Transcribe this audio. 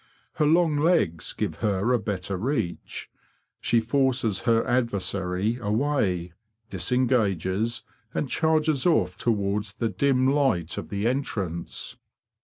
Her long legs give her a better reach. She forces her adversary away, disengages, and charges off towards the dim light of the entrance.